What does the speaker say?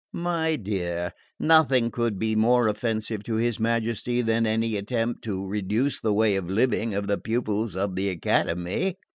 "My dear, nothing could be more offensive to his Majesty than any attempt to reduce the way of living of the pupils of the Academy."